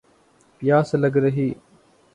پیاس لَگ رہی